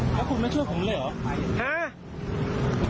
แล้วคุณไม่เชื่อผมเลยเหรอ